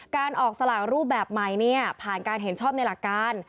การออกสลากรูปแบบใหม่ผ่านการเห็นชอบในหลักการ